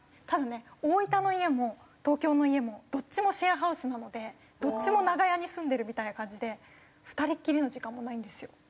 ただね大分の家も東京の家もどっちもシェアハウスなのでどっちも長屋に住んでるみたいな感じで２人きりの時間もないんですよ。